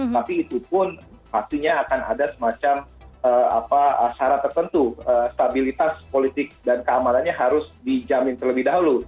tapi itu pun pastinya akan ada semacam syarat tertentu stabilitas politik dan keamanannya harus dijamin terlebih dahulu